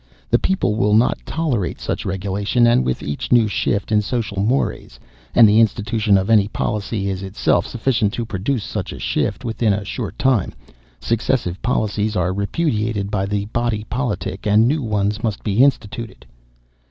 The people will not tolerate such regulation, and with each new shift in social morés and the institution of any policy is itself sufficient to produce such a shift within a short time successive policies are repudiated by the Body Politic, and new ones must be instituted."